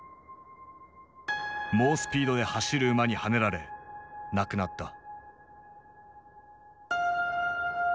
猛スピードで走る馬にはねられ亡くなった。